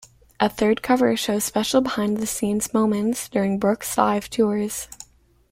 A third cover shows special "behind the scenes" moments during Brooks' live tours.